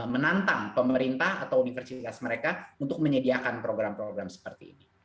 menantang pemerintah atau universitas mereka untuk menyediakan program program seperti ini